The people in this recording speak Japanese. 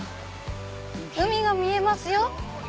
海が見えますよ。